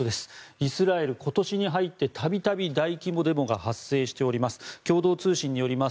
イスラエル、今年に入って度々大規模デモが発生しております。